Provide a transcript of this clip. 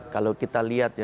kalau kita lihat ya